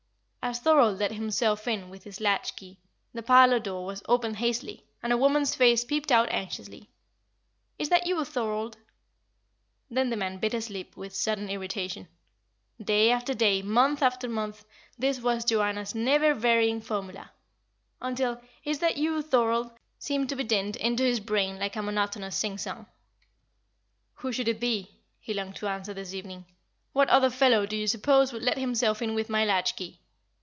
As Thorold let himself in with his latch key, the parlour door was opened hastily, and a woman's face peeped out anxiously. "Is that you, Thorold?" Then the man bit his lip with sudden irritation. Day after day, month after month, this was Joanna's never varying formula until "Is that you, Thorold?" seemed to be dinned into his brain like a monotonous sing song. "Who should it be" he longed to answer this evening. "What other fellow do you suppose would let himself in with my latch key."